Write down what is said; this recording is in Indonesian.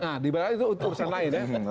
nah di balik layar itu urusan lain ya